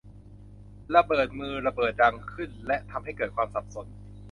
ระเบิดมือระเบิดดังขึ้นและทำให้เกิดความสับสน